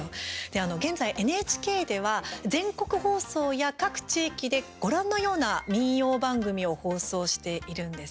現在ＮＨＫでは全国放送や各地域でご覧のような民謡番組を放送しているんですね。